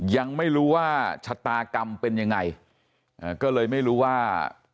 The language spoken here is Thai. ยังไม่รู้ว่าชะตากรรมเป็นยังไงก็เลยไม่รู้ว่า